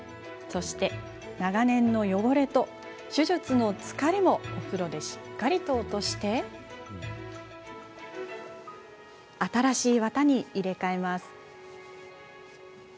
長年の汚れと手術の疲れもお風呂でしっかり落とし新しい綿に入れ替えます。